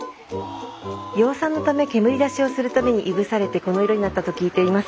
養蚕のため煙出しをするたびにいぶされてこの色になったと聞いています。